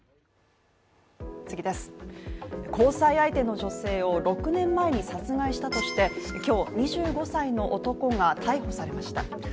次です、交際相手の女性を６年前に殺害したとして今日、２５歳の男が逮捕されました。